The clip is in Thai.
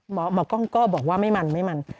หมอกล้องก็บอกว่าไม่มัน